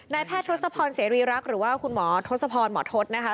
แพทย์ทศพรเสรีรักษ์หรือว่าคุณหมอทศพรหมอทศนะคะ